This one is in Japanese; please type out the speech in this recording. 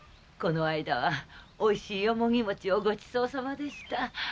この間はおいしいよもぎ餅をごちそうさまでした。